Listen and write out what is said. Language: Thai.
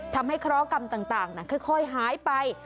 เคราะหกรรมต่างค่อยหายไป